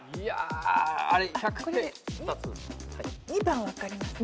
２番分かります。